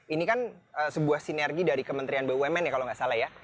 ini kan sebuah sinergi dari kementerian bumn ya kalau nggak salah ya